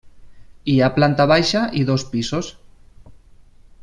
Hi ha planta baixa i dos pisos.